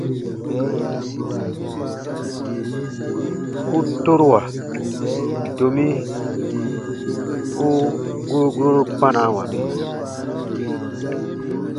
U torawa, domi u guro guroru kpanawa mi.